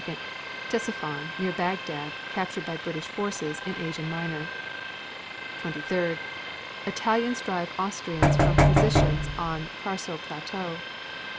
Ctesiphon, near Bagdad, captured by British forces in Asia Minor. 23. Italians drive Austrians from positions on Carso Plateau.